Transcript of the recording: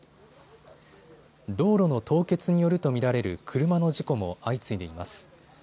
道路の凍結によると見られる車の事故も相次いでいます。